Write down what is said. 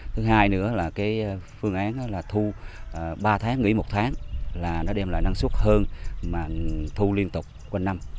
thứ hai nữa là phương án thu ba tháng nghỉ một tháng là nó đem lại năng suất hơn mà thu liên tục qua năm